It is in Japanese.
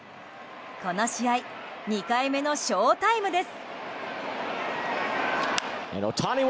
この試合２回目のショウタイムです。